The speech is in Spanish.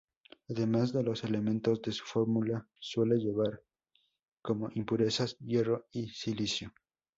Además de los elementos de su fórmula, suele llevar como impurezas: hierro y silicio.